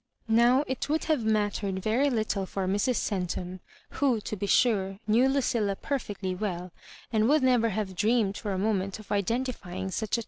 Now it would have mattered veiy little for Mrs. Centum — who, to be sure, knew Lucilla per fectly well, and would never have dreamed for a moment of identifying such a